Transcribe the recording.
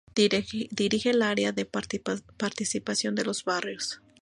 Dirige el Área de Participación de los Barrios.